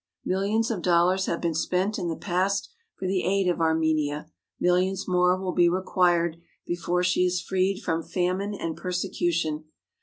Millions of dollars have been spent in the past for the aid of Armenia, millions more will be required before she is freed from famine and persecution.